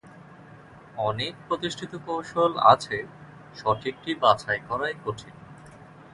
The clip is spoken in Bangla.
অনেক প্রতিষ্ঠিত কৌশল আছে, সঠিকটি বাছাই করা কঠিন।